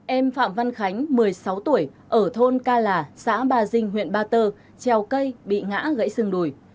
em phạm văn khánh một mươi sáu tuổi ở thôn ca là xã ba dinh huyện ba tơ treo cây bị ngã gãy xương đùi